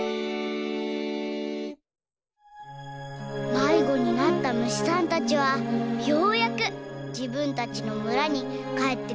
まいごになったむしさんたちはようやくじぶんたちのむらにかえってくることができました。